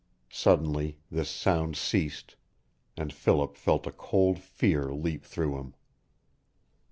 Suddenly this sound ceased, and Philip felt a cold fear leap through him.